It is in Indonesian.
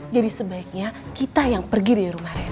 jadi sebaiknya kita yang pergi dari rumah reno